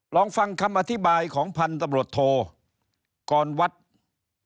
ลองฟังคำอธิบายของท่านผู้ชมครับ